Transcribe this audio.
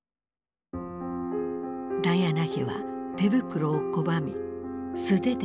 ダイアナ妃は手袋を拒み素手で患者と触れ合った。